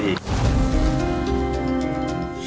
ดี